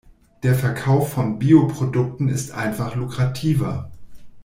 Der Verkauf von Bio-Produkten ist einfach lukrativer.